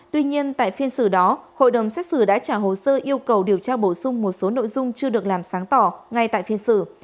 tuy nhiên tại phiên xử đó hội đồng xét xử đã trả hồ sơ yêu cầu điều tra bổ sung một số nội dung chưa được làm sáng tỏ ngay tại phiên xử